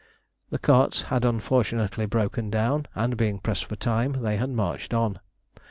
The carts had unfortunately broken down, and being pressed for time they had marched on.